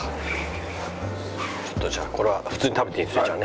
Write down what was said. ちょっとじゃあこれは普通に食べていいんですよね？